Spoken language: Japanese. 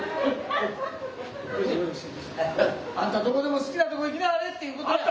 あんたどこでも好きなとこ行きなはれっていうことや！